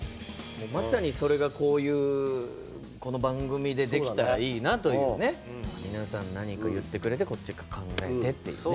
まさに、それがこういうこの番組でできたらいいなというね皆さん、何か言ってくれてこっちが考えてっていうね。